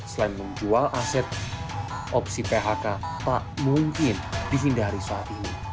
selain menjual aset opsi phk tak mungkin dihindari saat ini